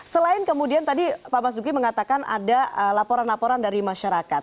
selain kemudian tadi pak mas duki mengatakan ada laporan laporan dari masyarakat